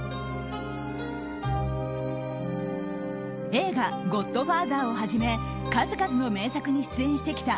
映画「ゴッドファーザー」をはじめ数々の名作に出演してきた